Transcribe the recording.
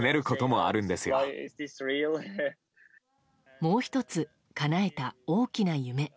もう１つ、かなえた大きな夢。